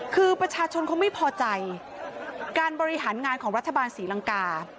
คือประชาชนเขาไม่พอใจการบริหารงานของรัฐบาลศรีลังกา